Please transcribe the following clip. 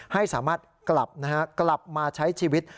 ให้สามารถกลับมาใช้ชีวิต